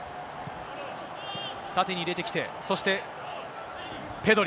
縦に入れてきて、そして、ペドリ。